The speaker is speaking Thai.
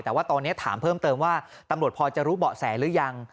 แต่ว่าตอนนี้ถามเพิ่มเติมว่าตำรวจพอจะรู้เบาะแสหรือยัง